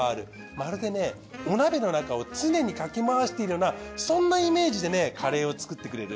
まるでねお鍋の中を常にかき回しているようなそんなイメージでねカレーを作ってくれる。